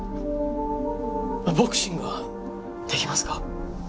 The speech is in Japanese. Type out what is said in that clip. ボクシングはできますか？